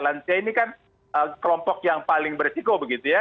lansia ini kan kelompok yang paling beresiko begitu ya